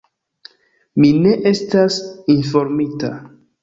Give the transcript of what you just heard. Mi ne estas informita.